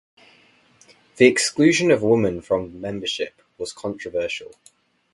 The exclusion of women from membership was controversial.